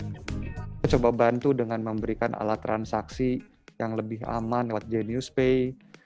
kita coba bantu dengan memberikan alat transaksi yang lebih aman lewat genius pay